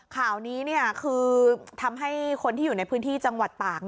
ข่าวนี้คือทำให้คนที่อยู่ในพื้นที่จังหวัดตาก